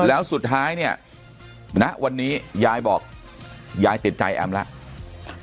แล้วสุดท้ายเนี่ยณวันนี้ยายบอกยายติดใจแอมแล้ว